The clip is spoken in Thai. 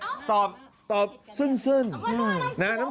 การนอนไม่จำเป็นต้องมีอะไรกัน